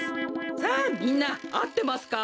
さあみんなあってますか？